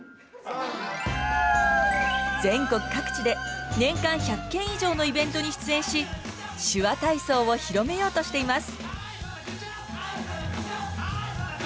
全国各地で年間１００件以上のイベントに出演し手話体操を広めようとしています。